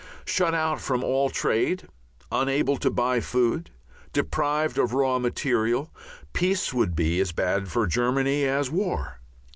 Shut out from all trade, unable to buy food, deprived of raw material, peace would be as bad for Germany as war.